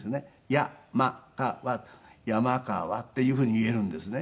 「やまかわやまかわ」っていうふうに言えるんですね。